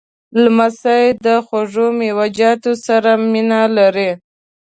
لمسی د خوږو میوهجاتو سره مینه لري.